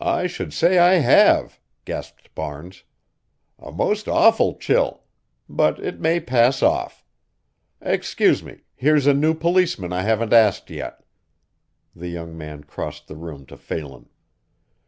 "I should say I have," gasped Barnes, "a most awful chill. But it may pass off. Excuse me, here's a new policeman I haven't asked yet." The young man crossed the room to Phelan.